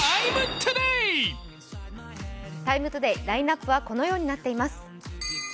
「ＴＩＭＥ，ＴＯＤＡＹ」ラインナップはこのようになっています。